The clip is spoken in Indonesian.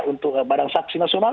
untuk badan saksi nasional